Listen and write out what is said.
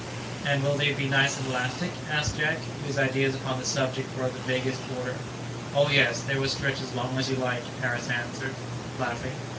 "And will they be nice and elastic?" asked Jack, whose ideas upon the subject were of the vaguest order. "Oh, yes, they will stretch as long as you like," Harris answered, laughing.